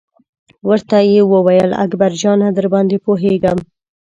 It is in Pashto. ورته یې وویل: اکبر جانه درباندې پوهېږم.